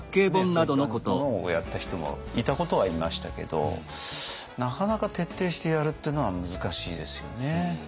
そういったものをやった人もいたことはいましたけどなかなか徹底してやるっていうのは難しいですよね。